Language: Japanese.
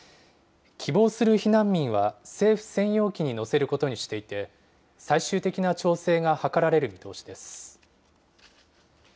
希望する避難民は政府専用機に乗せることにしていて、最終的な調整が図られる見通しです。